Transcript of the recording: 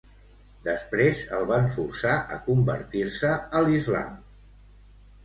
Després el van forçar a convertir-se a l'Islam.